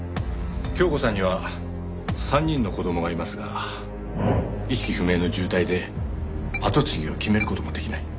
恭子さんには３人の子供がいますが意識不明の重体で後継ぎを決める事もできない。